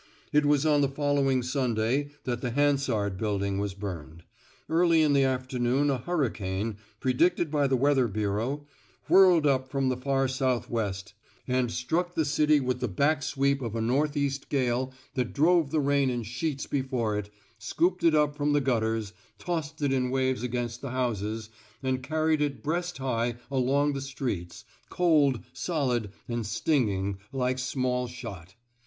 It was on the following Sunday that the Hansard Building was burned. Early in the afternoon a hurricane — pre dicted by the Weather Bureau — whirled up from the far southwest and struck the city 194 TRAINING ^^ SALLY'' WATERS with the back sweep of a northeast gale that drove the rain in sheets before it, scooped it up from the gutters, tossed it in waves against the houses, and carried it breast high along the streets, cold, solid, and sting ing, like small shot.